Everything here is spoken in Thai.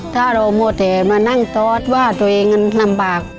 ถ้าเรามัวแต่มานั่งตอสว่าตัวเองนั้นลำบาก